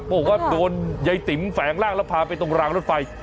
บอกว่าโดนยายติ๋มแฝงร่างแล้วพาไปตรงรางรถไฟ